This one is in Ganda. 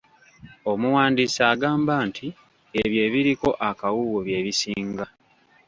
Omuwandiisi agamba nti ebyo ebiriko akawuuwo bye bisinga.